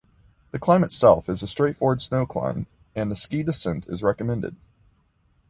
The climb itself is a straightforward snow climb, and the ski descent is recommended.